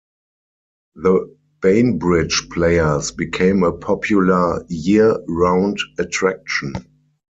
The Bainbridge Players became a popular year-round attraction.